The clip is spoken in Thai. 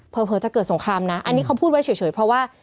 เผลอจะเกิดสงครามนะอันนี้เขาพูดไว้เฉยเพราะว่า